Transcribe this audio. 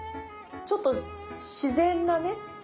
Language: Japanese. ちょっと自然なね